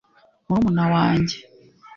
murumuna wajye.